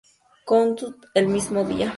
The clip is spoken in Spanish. Countdown" el mismo día.